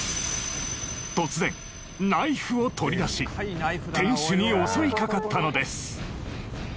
突然ナイフを取り出し店主に襲いかかったのです。